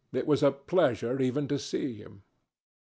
It was a pleasure even to see him.